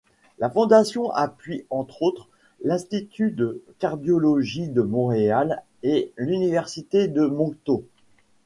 La Fondation appuie, entre autres, l'Institut de Cardiologie de Montréal et l'Université de Moncton.